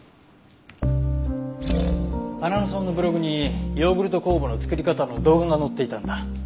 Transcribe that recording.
花野さんのブログにヨーグルト酵母の作り方の動画が載っていたんだ。